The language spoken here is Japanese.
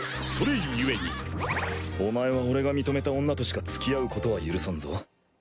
それ故にお前は俺が認めた女としかつきあうことは許さんぞ。